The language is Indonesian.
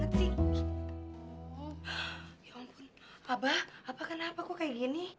abah abah kenapa kok kayak gini